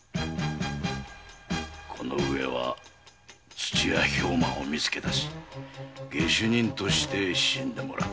この上は土屋兵馬を見つけ出し下手人として死んでもらう。